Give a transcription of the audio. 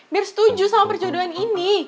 biar setuju sama perjodohan ini